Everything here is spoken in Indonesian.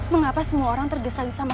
mengapa semua orang tergesali sama